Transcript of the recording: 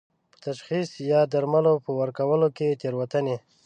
په تشخیص یا د درملو په ورکولو کې تېروتنې